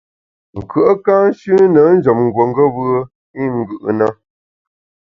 Nkùe’ ka nshüne njem nguongeb’e i ngù’ na.